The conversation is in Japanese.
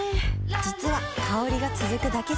実は香りが続くだけじゃない